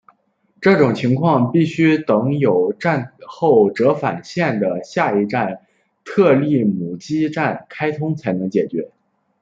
这种情况必须等有站后折返线的下一站特列姆基站开通才能解决。